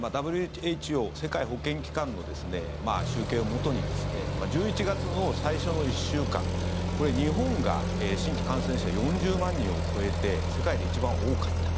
ＷＨＯ・世界保健機関の集計をもとに１１月の最初の１週間これ、日本が新規感染者４０万人を超えて世界で一番多かった。